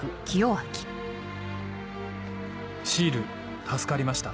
「シール助かりました。